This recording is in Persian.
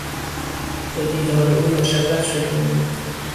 به دیدار او مشرف شدیم